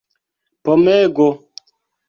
pomego